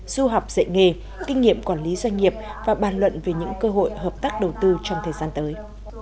du học dạy nghề kinh nghiệm quản lý doanh nghiệp và bàn luận về những cơ hội hợp tác đầu tư trong thời gian tới